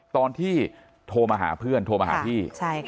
ตอนที่โทรมาหาเพื่อนโทรมาหาพี่